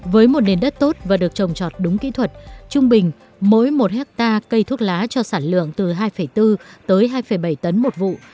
với một nền đất tốt và được trồng trọt đúng kỹ thuật trung bình mỗi một hectare cây thuốc lá cho sản lượng từ hai bốn tới hai bảy tấn một vụ